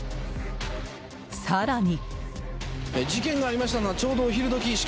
更に。